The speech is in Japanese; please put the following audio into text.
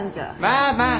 まあまあ。